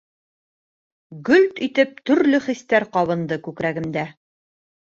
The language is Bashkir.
Гөлт итеп төрлө хистәр ҡабынды күкрәгемдә.